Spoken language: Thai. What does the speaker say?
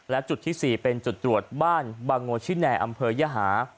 และจุดที่๔เป็นจุดตรวจบ้านบางโงชิแนอำเภอยหา